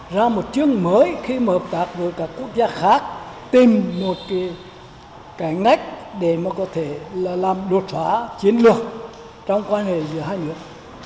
ra một chương mới khi mà hợp tác với các quốc gia khác tìm một cái ngách để mà có thể là làm đột phá chiến lược trong quan hệ giữa hai nước